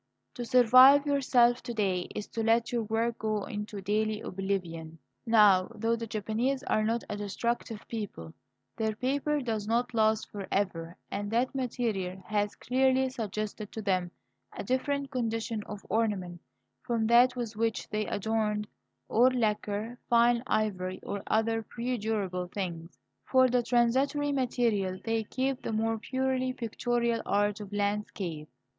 To survive yourself, to day, is to let your work go into daily oblivion. Now, though the Japanese are not a destructive people, their paper does not last for ever, and that material has clearly suggested to them a different condition of ornament from that with which they adorned old lacquer, fine ivory, or other perdurable things. For the transitory material they keep the more purely pictorial art of landscape.